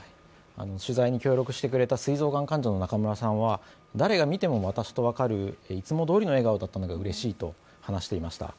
取材に協力してくれたすい臓がん患者の中村さんが誰が見ても私と分かるいつもどおりの笑顔だったのでうれしいと話していました。